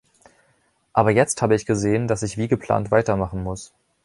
Aber jetzt habe ich gesehen, dass ich wie geplant weitermachen muss.